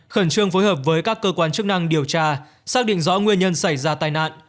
khẩn trương phối hợp với các cơ quan chức năng điều tra xác định rõ nguyên nhân xảy ra tai nạn